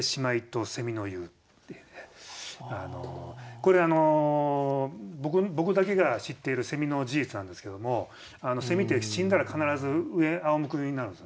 これ僕だけが知っているの事実なんですけどもって死んだら必ずあおむけになるんですよね。